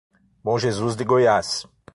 Bom Jesus de Goiás